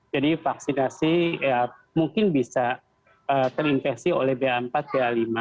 jadi vaksinasi mungkin bisa terinfeksi oleh b empat b lima